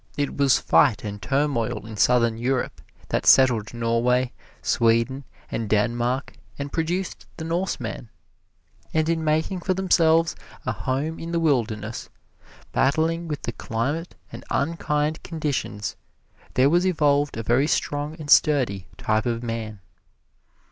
It was fight and turmoil in Southern Europe that settled Norway, Sweden and Denmark, and produced the Norsemen. And in making for themselves a home in the wilderness, battling with the climate and unkind conditions, there was evolved a very strong and sturdy type of man.